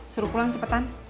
suruh pulang cepetan